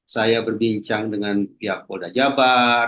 saya berbincang dengan pihak kodajabat